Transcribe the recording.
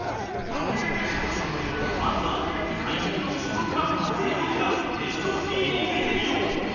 まずは最近のチョコプラバズり動画ベスト３を見てみよう